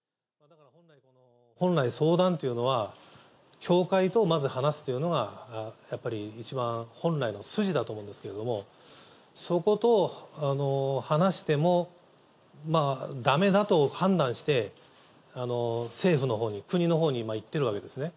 本来、相談というのは、教会とまず話すというのが、やっぱり一番、本来の筋だと思うんですけれども、そこと話してもまあ、だめだと判断して、政府のほうに、国のほうにいってるわけですね。